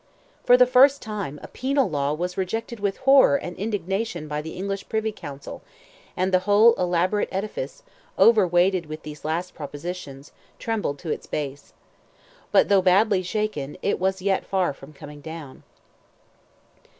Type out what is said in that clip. For the first time, a penal law was rejected with horror and indignation by the English Privy Council, and the whole elaborate edifice, overweighted with these last propositions, trembled to its base. But though badly shaken, it was yet far from coming down.